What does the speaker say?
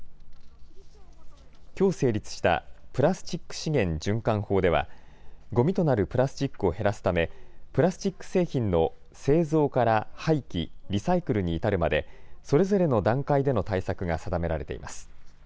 きょう成立したプラスチック資源循環法ではごみとなるプラスチックを減らすためプラスチック製品の製造から廃棄、リサイクルに至るまでそれぞれの段階での対策が定められています。